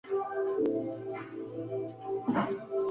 El siguiente diagrama muestra a las localidades en un radio de de Ogden.